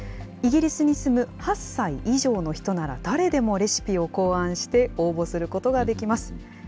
イギリスに住む８歳以上の人なら、誰でもレシピを考案して応募することができます。